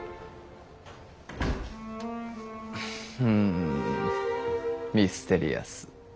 うんミステリアス。